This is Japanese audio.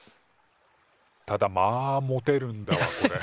ただまあモテるんだわこれ。